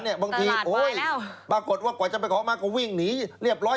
บางทีโอ๊ยปรากฏว่ากว่าจะไปขอมาก็วิ่งหนีเรียบร้อย